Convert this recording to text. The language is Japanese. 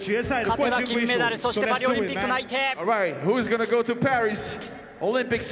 勝てば金メダル、そしてパリオリンピック内定。